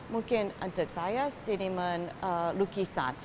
mungkin untuk saya siniman lukisan